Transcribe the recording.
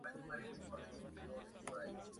Madre de Marlene McFly y de Marty McFly Jr.